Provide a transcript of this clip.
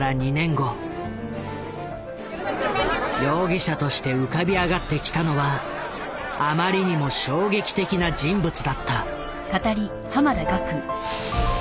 容疑者として浮かび上がってきたのはあまりにも衝撃的な人物だった。